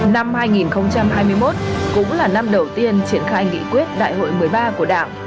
năm hai nghìn hai mươi một cũng là năm đầu tiên triển khai nghị quyết đại hội một mươi ba của đảng